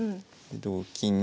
同金に。